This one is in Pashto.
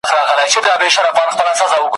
او کوښښ کوي چي د ده شعر `